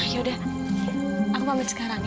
yaudah aku pamit sekarang ya